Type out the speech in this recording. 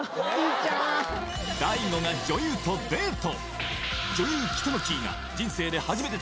ちゃん大悟が女優とデート